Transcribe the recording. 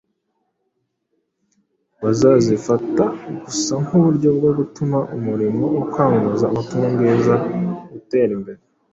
bazazifata gusa nk’uburyo bwo gutuma umurimo wo kwamamaza ubutumwa bwiza utera imbere.